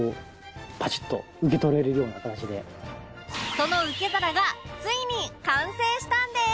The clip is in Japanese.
その受け皿がついに完成したんです！